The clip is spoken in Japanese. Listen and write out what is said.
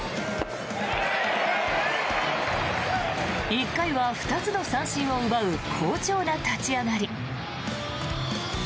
１回は２つの三振を奪う好調な立ち上がり。